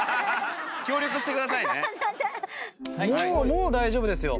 もう大丈夫ですよ。